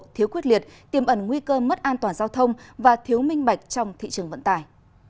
thiếu quyết liệt tiêm ẩn nguy cơ mất an toàn giao thông và thiếu minh bạch trong thị trường vận tải